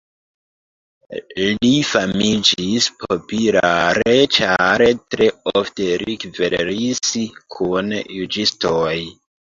Li famiĝis populare ĉar tre ofte li kverelis kun juĝistoj.